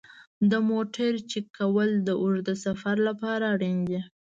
د موټر چک کول د اوږده سفر لپاره اړین دي.